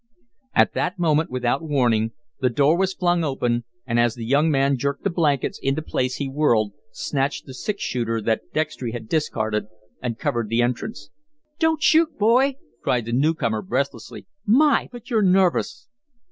At that moment, without warning, the door was flung open, and as the young man jerked the blankets into place he whirled, snatched the six shooter that Dextry had discarded, and covered the entrance. "Don't shoot, boy!" cried the new comer, breathlessly. "My, but you're nervous!"